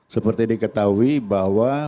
seperti diketahui bahwa